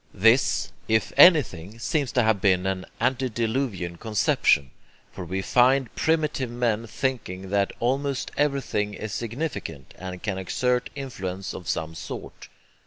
This, if anything, seems to have been an antediluvian conception; for we find primitive men thinking that almost everything is significant and can exert influence of some sort.